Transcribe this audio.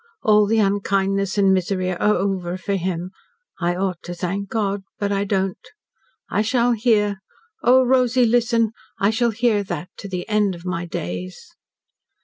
"All the unkindness and misery are over for him, I ought to thank God but I don't. I shall hear O Rosy, listen! I shall hear that to the end of my days."